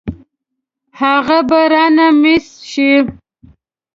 هغه به رانه مېس شي.